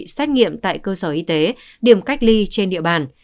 xét nghiệm tại cơ sở y tế điểm cách ly trên địa bàn